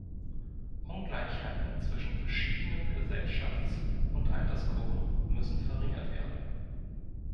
Ungleichheiten zwischen verschiedenen Gesellschafts- und Altersgruppen müssen verringert werden.